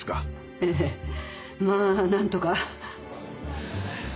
ええまぁ何とか。